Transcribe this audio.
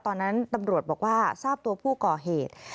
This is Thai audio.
ตอนนั้นตำรวจบอกว่าทราบตัวผู้ก่อเหตุ